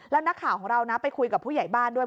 แล้วนักข่าวของเรานะไปคุยกับผู้ใหญ่บ้านด้วย